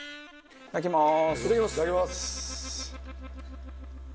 いただきます。